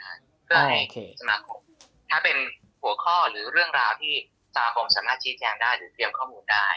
เพื่อให้เขตสมาคมถ้าเป็นหัวข้อหรือเรื่องราวที่สมาคมสามารถชี้แจงได้หรือเตรียมข้อมูลได้